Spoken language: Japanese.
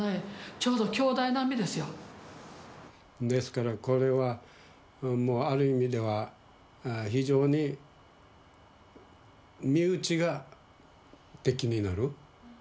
ちょうど京大並みですよですからこれはもうある意味では非常に身内が敵になる